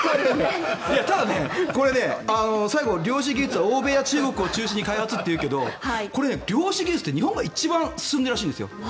ただ、これ、最後、量子技術は欧米や中国を中心に開発というけどこれ、量子技術って日本が一番進んでいるらしいんですよ。